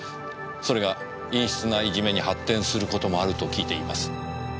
それが陰湿ないじめに発展する事もあると聞いています。